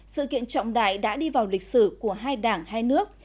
sự kiện trọng đại đã đi vào lịch sử của hai đảng hai nước